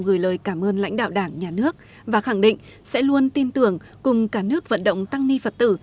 gửi lời cảm ơn lãnh đạo đảng nhà nước và khẳng định sẽ luôn tin tưởng cùng cả nước vận động tăng ni phật tử